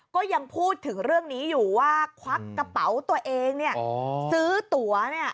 ก็ยังพูดถึงเรื่องนี้อยู่ว่าควักกระเป๋าตัวเองเนี่ยซื้อตัวเนี่ย